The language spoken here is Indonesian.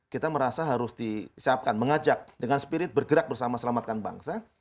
kita merasa harus disiapkan mengajak dengan spirit bergerak bersama selamatkan bangsa